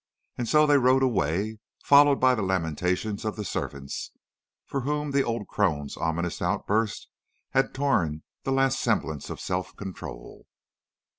And so they rode away, followed by the lamentations of the servants, from whom the old crone's ominous outburst had torn the last semblance of self control.